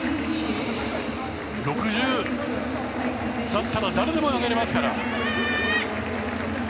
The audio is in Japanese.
６０だったら誰でも投げられますから。